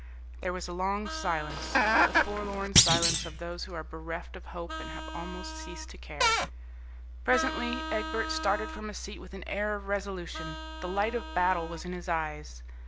There was a long silence, the forlorn silence of those who are bereft of hope and have almost ceased to care. Presently Egbert started from his seat with an air of resolution. The light of battle was in his eyes.